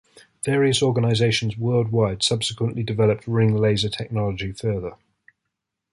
Various organizations worldwide subsequently developed ring-laser technology further.